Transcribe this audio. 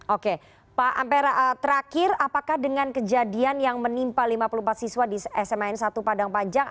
oke pak ampera terakhir apakah dengan kejadian yang menimpa lima puluh empat siswa di sma n satu padang panjang